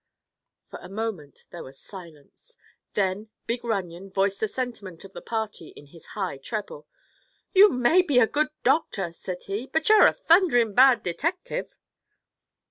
For a moment there was silence. Then big Runyon voiced the sentiment of the party in his high treble. "You may be a good doctor," said he, "but you're a thunderin' bad detective."